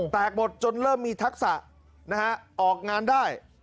แตกหมดจนเริ่มมีทักษะนะฮะออกงานได้